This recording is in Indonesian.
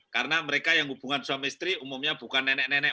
karena mereka yang hubungan suami istri umumnya bukan nenek nenek